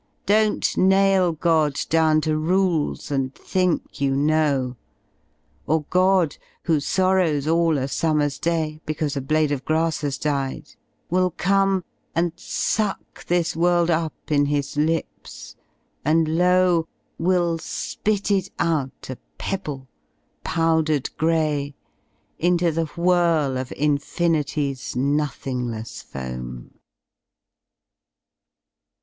Don't nail God down to rules ^ and think you know! Or God, Who sorrows all a summer's day Because a blade of grass has died, will come And suck this world up in His Itps, and lo! Will spit it out a pebble, powdered grey, Into the whirl of Infinity s nothinglessfoam.'"